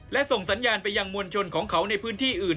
และส่งสัญญาณไปยังมวลชนของเขาในพื้นที่อื่น